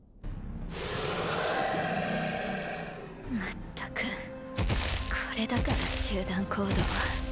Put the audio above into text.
まったくこれだから集団行動は。